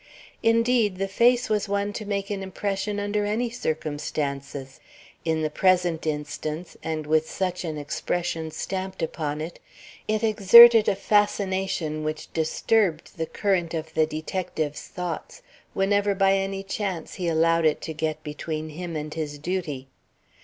Indeed, the face was one to make an impression under any circumstances. In the present instance, and with such an expression stamped upon it, it exerted a fascination which disturbed the current of the detective's thoughts whenever by any chance he allowed it to get between him and his duty.